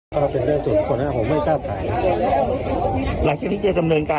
ก็เป็นเรื่องจุดคนนะครับผมไม่ได้ต้องการหลังจากที่พิเศษกำเนินการ